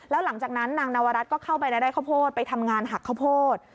แล้วหลังจากนั้นนางนวรัฐก็เข้าไปในไร่ข้าวโพดไปทำงานหักข้าวโพด